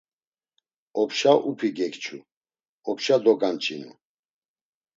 Opşa upi gekçu, opşa doganç̌inu.